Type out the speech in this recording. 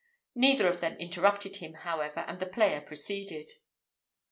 Neither of them interrupted him, however, and the player proceeded.